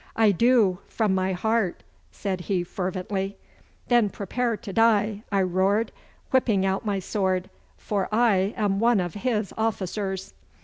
'I do from my heart!' said he fervently. 'Then prepare to die!' I roared, whipping out my sword, 'for I am one of his officers.